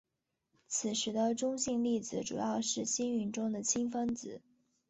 此时的中性粒子主要是星云中的氢分子。